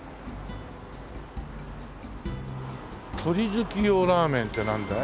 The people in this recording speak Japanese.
「鳥好き用ラーメン」ってなんだい？